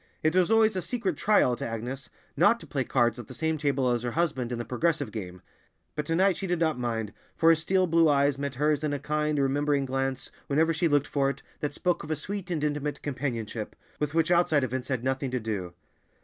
It was always a secret trial to Agnes not to play cards at the same table as her husband in the progressive game, but to night she did not mind, for his steel blue eyes met hers in a kind, remembering glance whenever she looked for it, that spoke of a sweet and intimate companionship, with which outside events had nothing to do.